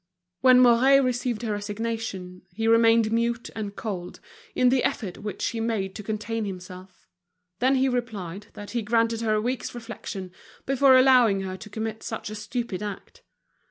When Mouret received her resignation, he remained mute and cold, in the effort which he made to contain himself. Then he replied that he granted her a week's reflection, before allowing her to commit such a stupid act.